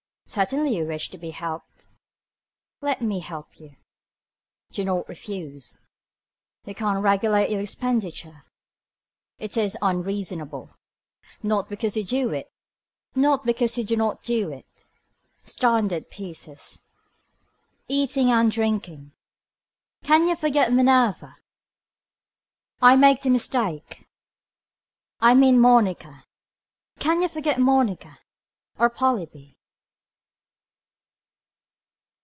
Certainly you wish to be helped. Let me help you. Do not refuse me. You can regulate your expenditure. It is unreasonable. Not because you do it. Not because you do not do it. Standard pieces. Eating and drinking. Can you forget Minerva. I make the mistake. I mean Monica. Can you forget Monica. Or Polybe.